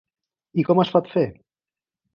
I com es pot fer?